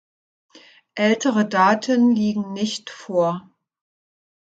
Ältere Daten liegen nicht vor.